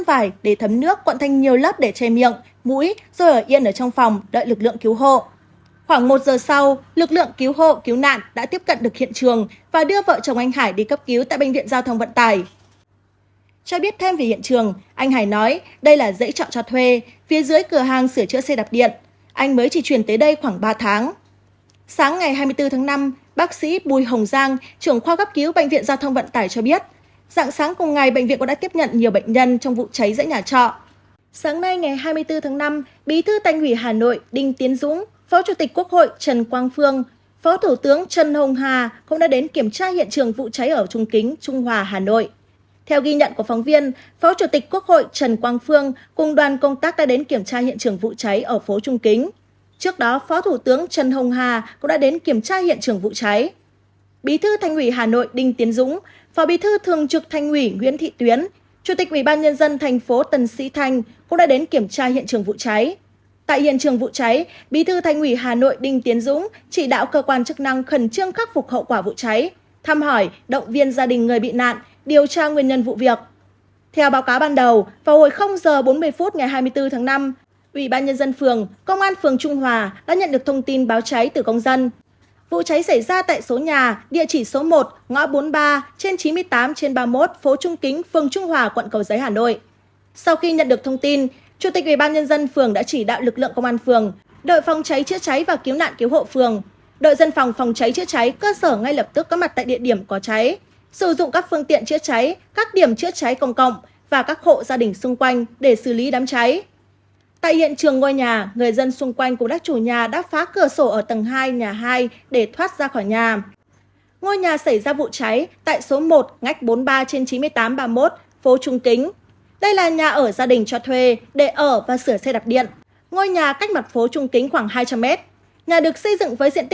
tiến sĩ bác sĩ bùi tuấn anh giám đốc bệnh viện giao thông vận tải cho biết hiện bệnh viện giao thông vận tải cho biết hiện bệnh viện giao thông vận tải cho biết hiện bệnh viện giao thông vận tải cho biết hiện bệnh viện giao thông vận tải cho biết hiện bệnh viện giao thông vận tải cho biết hiện bệnh viện giao thông vận tải cho biết hiện bệnh viện giao thông vận tải cho biết hiện bệnh viện giao thông vận tải cho biết hiện bệnh viện giao thông vận tải cho biết hiện bệnh viện giao thông vận tải cho biết hiện bệnh viện giao thông vận tải cho biết